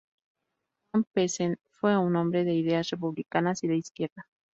Juan Peset fue un hombre de ideas republicanas y de izquierda.